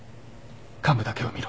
患部だけを見ろ。